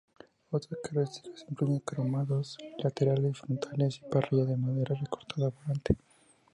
Otras características incluyen cromados laterales y frontales y parrillas de madera recortada-volante.